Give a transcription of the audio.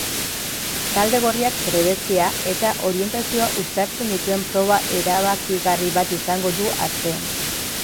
Talde gorriak trebezia eta orientazioa uztartzen dituen proba erabakigarri bat izango du asteon.